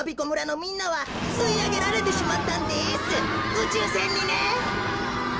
うちゅうせんにね！